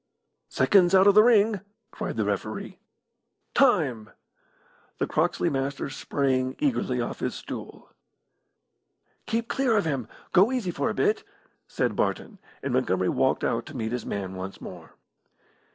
"Seconds out of the ring!" cried the referee. "Time!" The Croxley Master sprang eagerly off his stool. "Keep clear of him! Go easy for a bit," said Barton, and Montgomery walked out to meet his man once more.